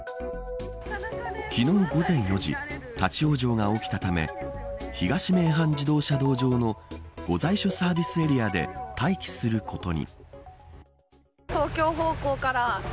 昨日、午前４時立ち往生が起きたため東名阪自動車道上の御在所サービスエリアで待機することに。